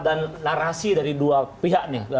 dan narasi dari dua pihak nih